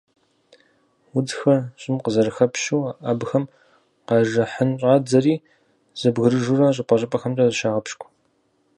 Удзхэр щIым къызэрыхэпщу, абыхэм къэжыхьын щIадзэри зэбгрыжурэ щIыпIэ-щIыпIэхэм зыщагъэпщкIу.